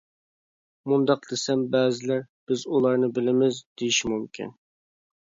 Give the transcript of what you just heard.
مۇنداق دېسەم، بەزىلەر «بىز ئۇلارنى بىلىمىز» ، دېيىشى مۇمكىن.